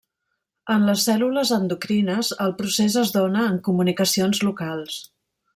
En les cèl·lules endocrines el procés es dóna en comunicacions locals.